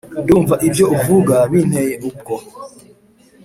Ndumva ibyo uvuga binteye ubwo